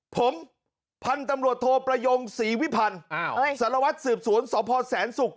ผมพันธุ์ตำรวจโทรประยงสี่วิพันธุ์สารวัตรสืบศูนย์สอบภาวแสนศุกร์